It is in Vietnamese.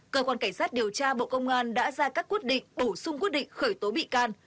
cơ quan cảnh sát điều tra bộ công an đã ra các quyết định bổ sung quyết định khởi tố bị can